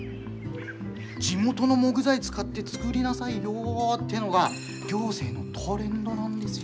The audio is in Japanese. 地元の木材使って作りなさいよっていうのが行政のトレンドなんですよ。